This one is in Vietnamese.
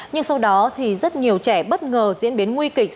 nhưng sau đó thì rất nhiều trẻ bất ngờ diễn biến nguy kịch